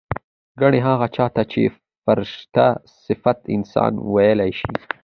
ګنې هغه چا ته چې فرشته صفت انسان وييلی شي